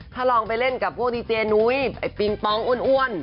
ถ้าลองไปเล่นกับพวกดีเจนุ้ยไอ้ปิงปองอ้วน